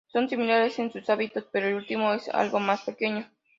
Son similares en sus hábitos, pero el último es algo más pequeño.